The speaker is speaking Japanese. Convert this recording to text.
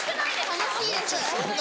楽しいです。